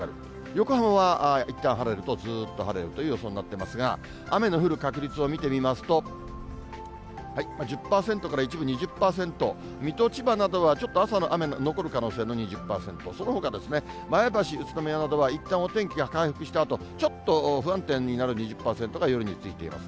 横浜はいったん晴れるとずっと晴れるという予想になっていますが、雨の降る確率を見てみますと、１０％から一部２０％、水戸、千葉などは、ちょっと朝の雨残る可能性の２０％、そのほか、前橋、宇都宮などはいったんお天気が回復したあと、ちょっと不安定になる２０％が夜についています。